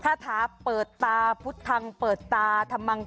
คาถาเปิดตาพุทธทางเปิดตาธรรมัง